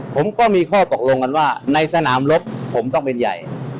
ผมก็มีข้อตกลงกันว่าในสนามรบผมต้องเป็นใหญ่